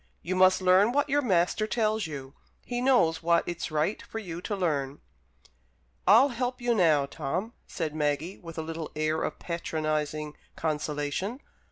You must learn what your master tells you. He knows what it's right for you to learn." "I'll help you now, Tom," said Maggie, with a little air of patronizing consolation.